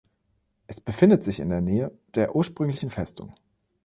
Es befindet sich in der nähe der ursprünglichen Festung.